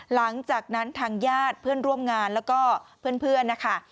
หลังจากนั้นทางญาติเพื่อนร่วมงานแล้วก็เพื่อนนะคะ